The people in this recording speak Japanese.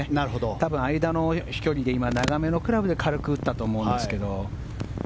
多分、間の飛距離で長めのクラブで軽く打ったと思うんですけど。